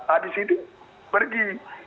abis itu pergi